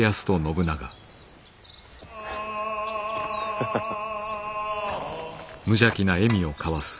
ハハハハ。